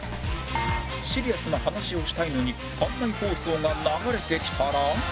シリアスな話をしたいのに館内放送が流れてきたら